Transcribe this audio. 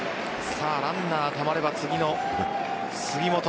ランナーたまれば次の杉本。